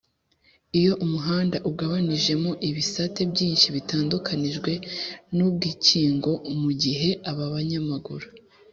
iyo umuhanda ugabanijemo ibisate byinshi bitandukanijwe n’ubwikingo mugihe ababanyamaguru